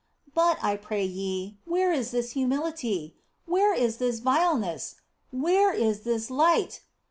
But, I pray ye, where is this humility ? Where is this vileness ? Where is this light